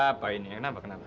nah pak ini enak pak kenapa